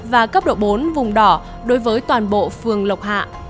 và cấp độ bốn vùng đỏ đối với toàn bộ phường lộc hạ